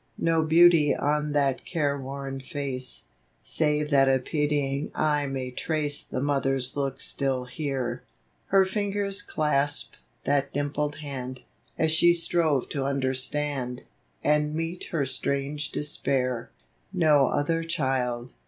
No beauty on that care worn face, Save that a pitying eye may trace The mother's look still there. 24 GONE TO HEAVEN. Her fingers clasp that dimpled hand, As if she strove to understand And meet her strange despair. Ho other child!